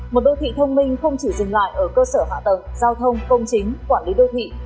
một đô thị thông minh không chỉ dừng lại ở cơ sở hạ tầng giao thông công chính quản lý đô thị